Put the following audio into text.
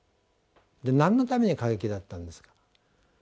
何のために過激だったんですか。